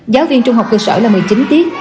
giáo viên trung học cơ sở là một mươi chín tiết